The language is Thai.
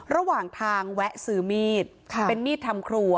ระหว่างทางแวะซื้อมีดเป็นมีดทำครัว